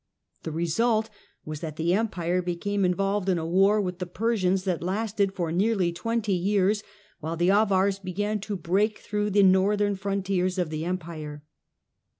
The result was that the Empire became involved in a war with the Persians that lasted for nearly twenty years, while the Avars began to break through the northern frontiers of the Empire.